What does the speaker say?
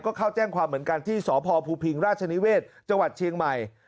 ก็เข้าแจ้งความเหมือนกันที่สพภูพิงราชนิเวศจังหวัดเชียงใหม่